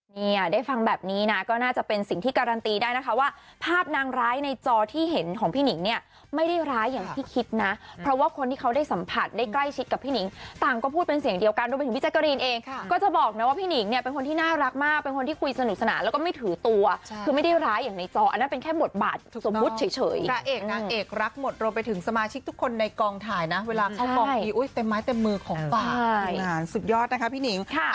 นี่อ่ะได้ฟังแบบนี้นะก็น่าจะเป็นสิ่งที่การันตีได้นะคะว่าภาพนางร้ายในจอที่เห็นของพี่นิ่งเนี่ยไม่ได้ร้ายอย่างที่คิดนะเพราะว่าคนที่เขาได้สัมผัสได้ใกล้ชิดกับพี่นิ่งต่างก็พูดเป็นเสียงเดียวกันโดยถึงพี่แจ๊กเกอรีนเองค่ะก็จะบอกนะว่าพี่นิ่งเนี่ยเป็นคนที่น่ารักมากเป็นคนที่คุยสน